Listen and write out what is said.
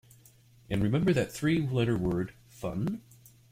And remember that three-letter word, 'fun'?